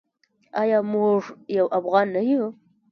آیا موږ یو افغان نه یو؟